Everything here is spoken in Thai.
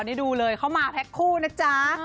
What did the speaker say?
นี่ดูเลยเข้ามาแพลกคู่นะจ๊ะ